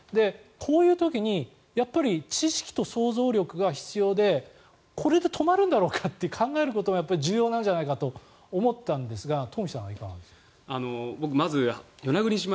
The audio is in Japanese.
こういう時にやっぱり知識と想像力が必要でこれで止まるんだろうかって考えることが重要なんじゃないかと思ったんですが東輝さんはいかがですか？